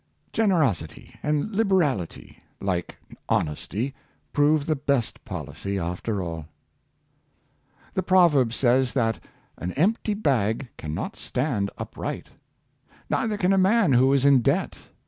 Generosity and liberality, like honesty, prove the best policy after all. Danger of Borrowing, 381 The proverb says that " an empty bag can not stand upright; " neither can a man who is in debt.